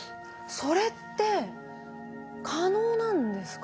それって可能なんですか？